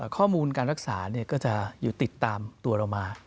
ข้อมูลการรักษาก็จะอยู่ติดตามตัวเรามา